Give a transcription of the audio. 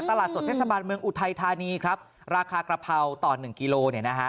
ตลาดสดเทศบาลเมืองอุทัยธานีครับราคากระเพราต่อหนึ่งกิโลเนี่ยนะฮะ